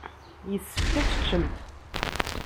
Yessefk ad teččemt.